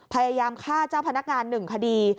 พยายามฆ่าเจ้าพนักงาน๑คดี